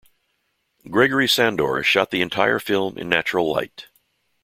Gregory Sandor shot the entire film in natural light.